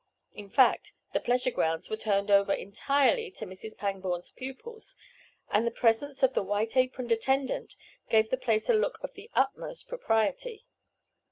In fact, the pleasure grounds were turned over entirely to Mrs. Pangborn's pupils and the presence of the white aproned attendant gave the place a look of the utmost propriety.